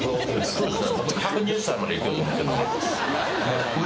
そうですね。